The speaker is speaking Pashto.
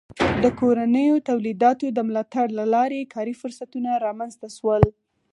د کورنیو تولیداتو د ملاتړ له لارې کاري فرصتونه رامنځته سول.